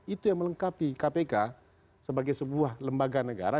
itu yang melengkapi kpk sebagai sebuah lembaga negara